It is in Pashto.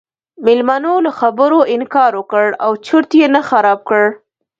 میلمنو له خبرو انکار وکړ او چرت یې نه خراب کړ.